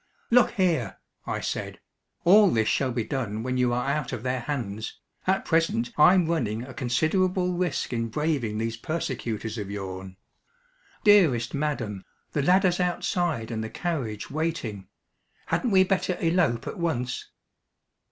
"Look here," I said, "all this shall be done when you are out of their hands. At present I'm running a considerable risk in braving these persecutors of yourn. Dearest madam, the ladder's outside and the carriage waiting. Hadn't we better elope at once?"